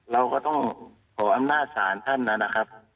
เราก็ต้องขออำนาจศาลท่านนะครับ